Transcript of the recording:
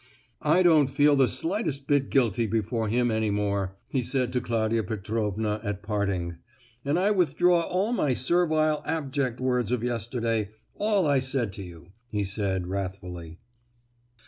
"I don't feel the slightest bit guilty before him any more," he said to Claudia Petrovna, at parting, "and I withdraw all my servile, abject words of yesterday—all I said to you," he added, wrathfully.